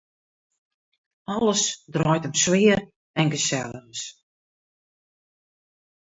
Alles draait om sfear en geselligens.